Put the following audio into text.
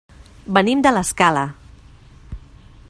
Venim de l'Escala.